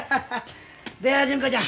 どや純子ちゃん